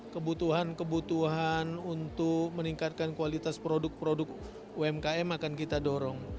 kebutuhan kebutuhan untuk meningkatkan kualitas produk produk umkm akan kita dorong